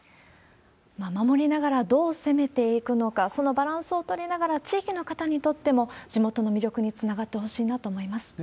守りながら、どう攻めていくのか、そのバランスを取りながら、地域の方にとっても地元の魅力につながってほしいなと思います。